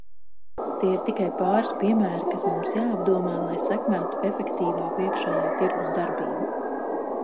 Tie ir tikai pāris piemēri, kas mums jāapdomā, lai sekmētu efektīvāku iekšējā tirgus darbību.